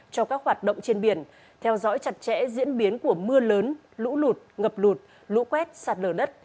cho các hoạt động trên biển theo dõi chặt chẽ diễn biến của mưa lớn lũ lụt ngập lụt lũ quét sạt lở đất